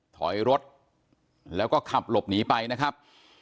ถอยรถแล้วก็ขับหลบหนีไปนะครับ